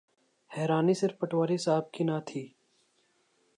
حیرانی صرف پٹواری صاحب کی نہ تھی۔